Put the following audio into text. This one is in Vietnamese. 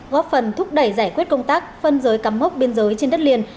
góp phần thúc đẩy giải quyết công tác phân giới cắm mốc biên giới trên đất liền